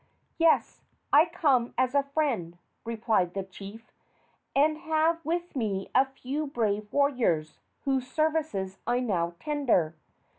"Yes, I come as a friend," replied the chief, "and have with me a few brave warriors, whose services I now tender."